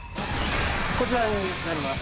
こちらになります。